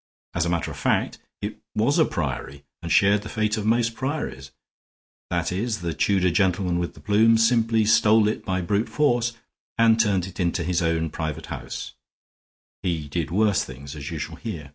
As a matter of fact, it was a priory, and shared the fate of most priories that is, the Tudor gentleman with the plumes simply stole it by brute force and turned it into his own private house; he did worse things, as you shall hear.